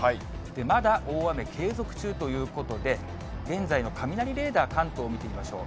まだ大雨、継続中ということで、現在の雷レーダー、関東見てみましょう。